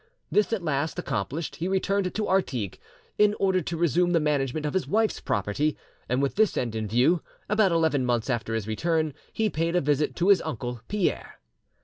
This at last accomplished, he returned to Artigues, in order to resume the management of his wife's property, and with this end in view, about eleven months after his return, he paid a visit to his uncle Pierre.